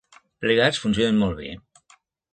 Plegats funcionem molt bé.